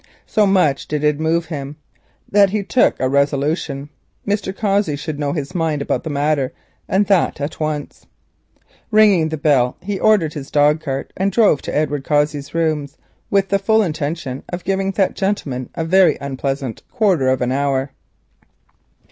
So much did it move him that he took a resolution; Mr. Cossey should know his mind about the matter, and that at once. Ringing the bell, he ordered his dog cart, and drove to Edward Cossey's rooms with the full intention of giving that gentleman a very unpleasant quarter of an hour.